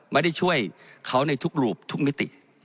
ไม่ได้ช่วยเขาในทุกรูปทุกมิติ